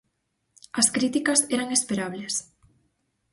As críticas eran esperables.